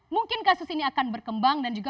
mungkin kasus ini akan berkembang dan juga